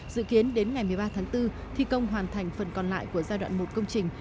dự kiến đến ngày một mươi ba tháng bốn thi công hoàn thành phần còn lại của giai đoạn một công trình